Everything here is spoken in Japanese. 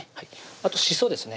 あとしそですね